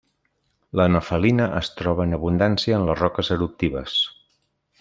La nefelina es troba en abundància en les roques eruptives.